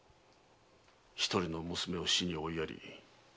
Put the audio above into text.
一人の娘を死に追いやり